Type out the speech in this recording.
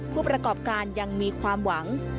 ผู้ประกอบการยังมีความหวัง